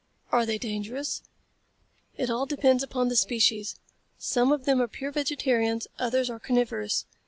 "Are they dangerous?" "It all depends upon the species. Some of them are pure vegetarians; others are carnivorous.